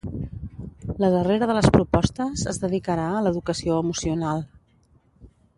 La darrera de les propostes es dedicarà a l’educació emocional.